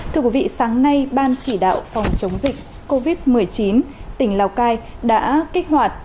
thưa quý vị sáng nay ban chỉ đạo phòng chống dịch covid một mươi chín tỉnh lào cai đã kích hoạt